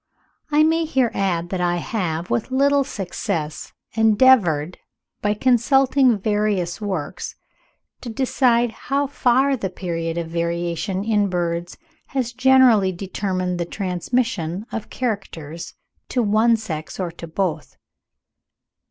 I may here add that I have, with little success, endeavoured, by consulting various works, to decide how far the period of variation in birds has generally determined the transmission of characters to one sex or to both.